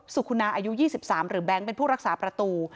สุคุณาอายุ๒๓หรือแบงค์เป็นผู้รักษาประตู